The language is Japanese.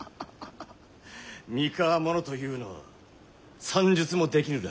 三河者というのは算術もできぬらしい。